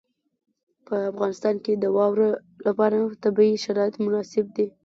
په افغانستان کې د واوره لپاره طبیعي شرایط مناسب دي.